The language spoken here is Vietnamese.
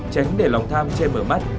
tránh để lòng tham che mở mắt